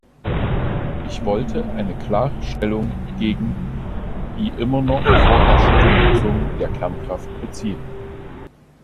Ich wollte eine klare Stellung gegen die immer noch vorherrschende Nutzung der Kernkraft beziehen.